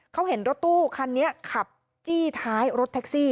เขาเห็นรถตู้คันนี้ขับจี้ท้ายรถแท็กซี่